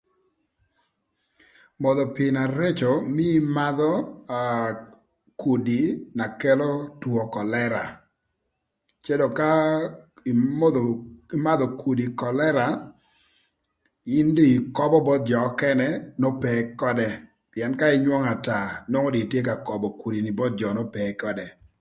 Modho pii na reco mii ïmadhö aa kudi na kelo two kölëra cë dong ka imodho ïmadhö kudi kölëra, in dong ïköbö both jö nökënë n'ope ködë pïën ka ïnywöngö ata nwongo dong itye ka köbö kudi ni both jö n'ope ködë.